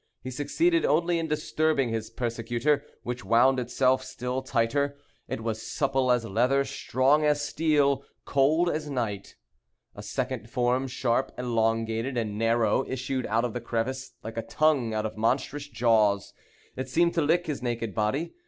He succeeded only in disturbing his persecutor, which wound itself still tighter. It was supple as leather, strong as steel, cold as night. A second form, sharp, elongated, and narrow, issued out of the crevice, like a tongue out of monstrous jaws. It seemed to lick his naked body.